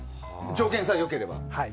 条件さえ良ければ？